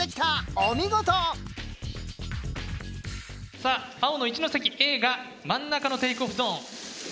さあ青の一関Ａが真ん中のテイクオフゾーン。